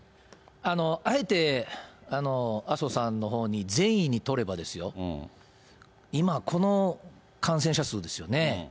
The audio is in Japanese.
あえて麻生さんのほうに善意に取れば、今この感染者数ですよね。